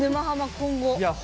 今後。